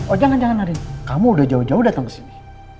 oh jangan jangan lari kamu udah jauh jauh datang ke sini